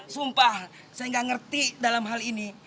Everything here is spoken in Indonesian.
sumpah saya nggak ngerti dalam hal ini